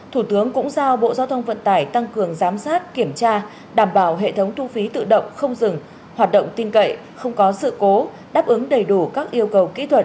thủ tướng cũng giao bộ giao thông vận tải tăng cường giám sát kiểm tra đảm bảo hệ thống thu phí tự động không dừng hoạt động tin cậy không có sự cố đáp ứng đầy đủ các yêu cầu kỹ thuật